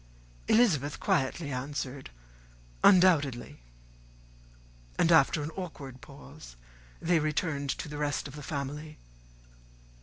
Elizabeth quietly answered "undoubtedly;" and, after an awkward pause, they returned to the rest of the family.